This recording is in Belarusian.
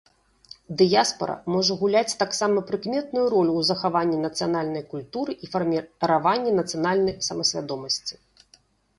Дыяспара можа гуляць таксама прыкметную ролю ў захаванні нацыянальнай культуры і фарміраванні нацыянальнай самасвядомасці.